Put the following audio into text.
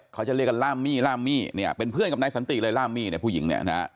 เขาจะเรียกกันล่ามมี่เป็นเพื่อนกับนายสันติเลยล่ามมี่ผู้หญิง